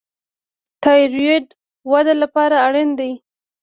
تایرویډ وده لپاره اړین دی.